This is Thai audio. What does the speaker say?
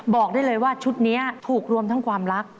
บอกได้เลยว่าชุดนี้ถูกรวมทั้งความรัก